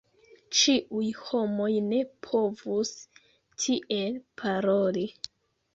Ĉiuj homoj ne povus tiel paroli.